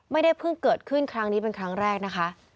ไม่ได้เพิ่งเกิดขึ้นครั้งนี้เป็นครั้งแรกนะคะ